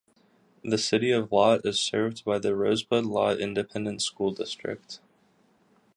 The City of Lott is served by the Rosebud-Lott Independent School District.